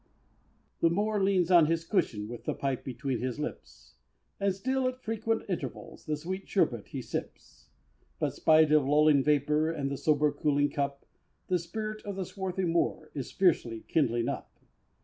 The Moor leans on his cushion, With the pipe between his lips; And still at frequent intervals The sweet sherbét he sips; But, spite of lulling vapor And the sober cooling cup, The spirit of the swarthy Moor Is fiercely kindling up!